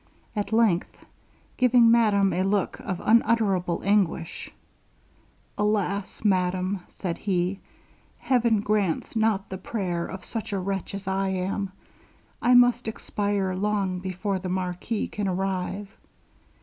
At length, giving madame a look of unutterable anguish, 'Alas, madam,' said he, 'Heaven grants not the prayer of such a wretch as I am. I must expire long before the marquis can arrive.